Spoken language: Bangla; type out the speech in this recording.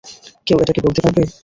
কেউ এটা কী বলতে পারবে?